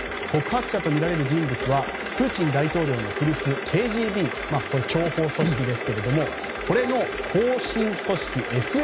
告発者とみられる人物はプーチン大統領の古巣、ＫＧＢこれは諜報組織ですけどもこれの後進組織